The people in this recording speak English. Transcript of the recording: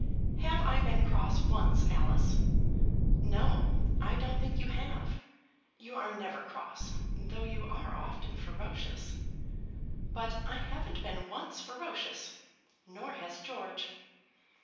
Have I been cross once, Alice?" "No; I don't think you have. You are never cross, though you are often ferocious." "But I haven't been once ferocious, nor has George."